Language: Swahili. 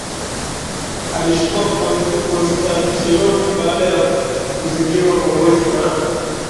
alichukua Constantinople baada ya kuzingirwa kwa mwezi na